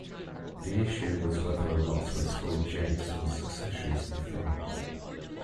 The issue was whether or not to exclude James from succession to the throne.